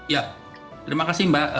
ya terima kasih mbak